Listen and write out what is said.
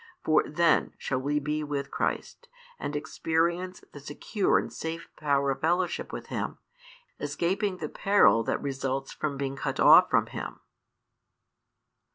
For then shall we be with Christ, and experience the secure and safe power of fellowship with Him, escaping the peril that results from being cut off from Him.